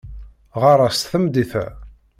Ɣer-as tameddit-a.